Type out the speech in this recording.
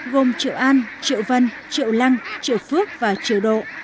gồm triệu an triệu vân triệu lăng triệu phước và triều độ